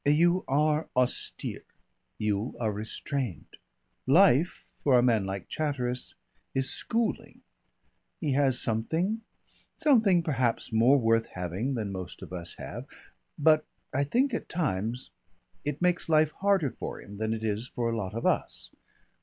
"You are austere. You are restrained. Life for a man like Chatteris is schooling. He has something something perhaps more worth having than most of us have but I think at times it makes life harder for him than it is for a lot of us.